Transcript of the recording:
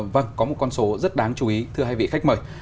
vâng có một con số rất đáng chú ý thưa hai vị khách mời